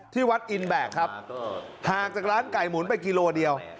ที่วัดอินแบกครับห่างจากร้านไก่หมุนไปกิโลเดียว